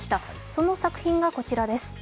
その作品がこちらです。